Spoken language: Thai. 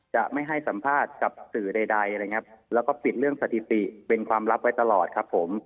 จะไม่ให้สัมภาษณ์กับสื่อใดแล้วก็ปิดเรื่องสถิติเป็นความลับไว้ตลอดครับผม